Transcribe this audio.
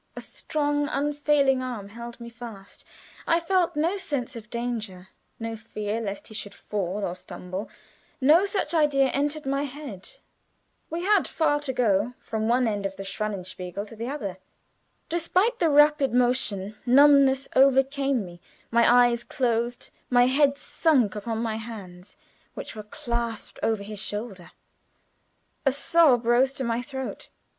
A strong, unfailing arm held me fast. I felt no sense of danger, no fear lest he should fall or stumble; no such idea entered my head. We had far to go from one end of the great Schwanenspiegel to the other. Despite the rapid motion, numbness overcame me; my eyes closed, my head sunk upon my hands, which were clasped over his shoulder. A sob rose to my throat.